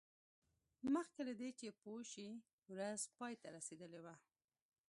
مخکې له دې چې پوه شي ورځ پای ته رسیدلې وه